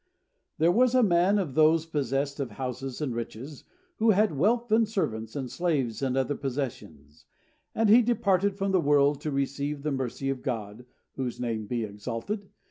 There was a man, of those possessed of houses and riches, who had wealth and servants and slaves and other possessions; and he departed from the world to receive the mercy of God (whose name be exalted!)